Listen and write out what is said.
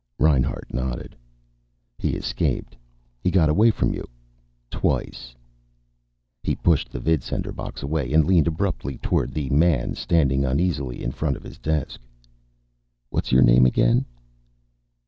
Reinhart nodded. "He escaped. He got away from you twice." He pushed the vidsender box away and leaned abruptly toward the man standing uneasily in front of his desk. "What's your name again?"